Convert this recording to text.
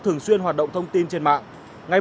thường xuyên hoạt động thông tin trên mạng